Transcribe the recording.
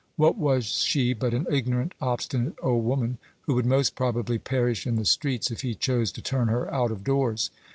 What was she but an ignorant, obstinate old woman, who would most probably perish in the streets if he chose to turn her out of doors?